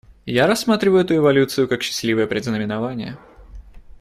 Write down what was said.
Я рассматриваю эту эволюцию как счастливое предзнаменование.